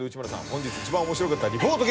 本日一番面白かったリポート芸人。